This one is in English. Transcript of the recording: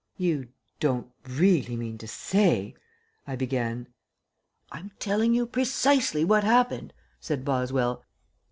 "You don't really mean to say " I began. "I'm telling you precisely what happened," said Boswell.